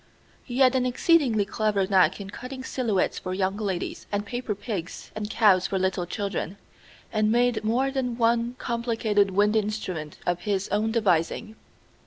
He had an exceedingly clever knack in cutting silhouettes for young ladies and paper pigs and cows for little children, and made more than one complicated wind instrument of his own devising.